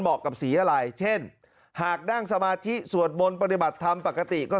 กับสีอะไรเช่นหากนั่งสมาธิสวดมนต์ปฏิบัติธรรมปกติก็